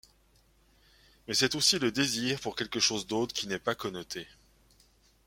Mais c'est aussi le désir pour quelque chose d'autre qui n'est pas connoté.